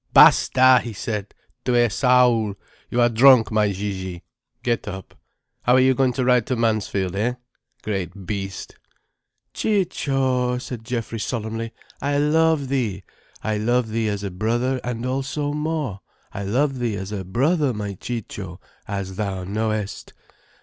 "Basta!" he said. "Tu es saoul. You are drunk, my Gigi. Get up. How are you going to ride to Mansfield, hein?—great beast." "Ciccio," said Geoffrey solemnly. "I love thee, I love thee as a brother, and also more. I love thee as a brother, my Ciccio, as thou knowest.